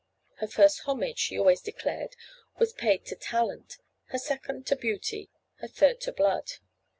Her first homage she always declared was paid to talent, her second to beauty, her third to blood.